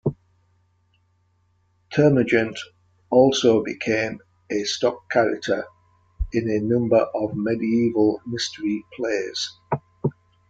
Termagant also became a stock character in a number of medieval mystery plays.